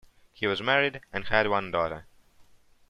He was married and had one daughter.